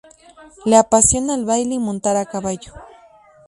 Le apasiona el baile y montar a caballo.